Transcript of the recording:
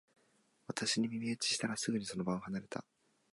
私に耳打ちしたら、すぐにその場を離れた